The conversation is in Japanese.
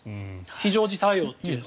非常時対応というのは。